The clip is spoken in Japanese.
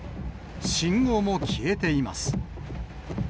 信号も消えています。